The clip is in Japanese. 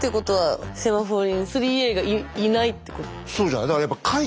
そうじゃない？